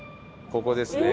ここですね。